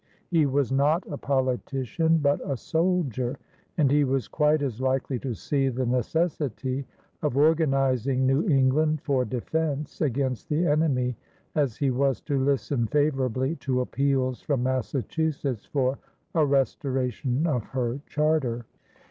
He was not a politician, but a soldier, and he was quite as likely to see the necessity of organizing New England for defense against the enemy as he was to listen favorably to appeals from Massachusetts for a restoration of her charter.